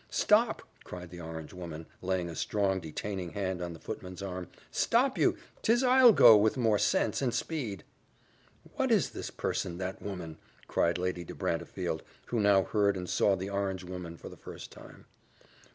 "Stop!" cried the orange woman, laying a strong detaining hand on the footman's arm; "stop you 'tis I'll go with more sense and speed." "What is that person that woman?" cried Lady de Brantefield, who now heard and saw the orange woman for the first time.